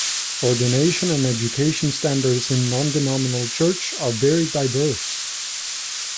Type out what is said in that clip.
Ordination and education standards in non-denominational church are very diverse.